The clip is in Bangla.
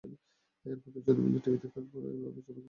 এরপর দুজন মিলে টিভি দেখার কথা বলে অপর প্রতিবেশী শহীদুলের বাসায় যায়।